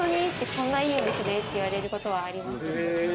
こんな良いお店で？って言われることがあります。